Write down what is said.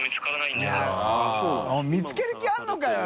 見つける気あるのかよ？